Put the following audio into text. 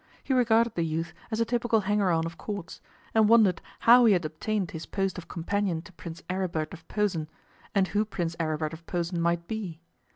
He regarded the youth as a typical hanger on of Courts, and wondered how he had obtained his post of companion to Prince Aribert of Posen, and who Prince Aribert of Posen might be.